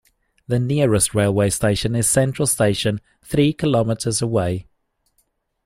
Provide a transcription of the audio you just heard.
The nearest railway station is Central station, three kilometres away.